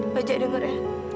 bajak denger ya